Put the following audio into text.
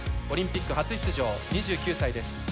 オリンピック初出場、２９歳です。